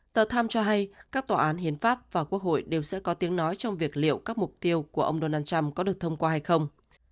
tờ tim cho hay các tòa án hiến pháp và quốc hội đều sẽ có tiếng nói trong việc liệu các mục tiêu của ông donald trump có được thông qua hay không